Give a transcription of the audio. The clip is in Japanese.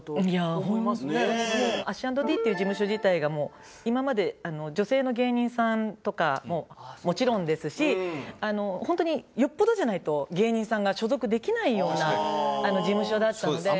ＡＳＨ＆Ｄっていう事務所自体がもう今まで女性の芸人さんとかももちろんですし本当によっぽどじゃないと芸人さんが所属できないような事務所だったので。